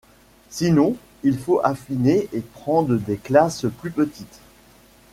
Sinon, il faut affiner et prendre des classes plus petites.